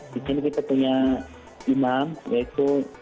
di sini kita punya imam yaitu